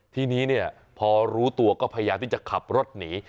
ทีนี้เนี่ยพอรู้ตัวก็พยายามที่จะขับรถหนี